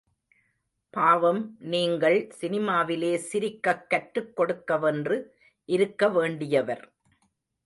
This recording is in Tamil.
பாவம், நீங்கள் சினிமாவிலே சிரிக்கக் கற்றுக் கொடுக்கவென்று இருக்க வேண்டியவர்.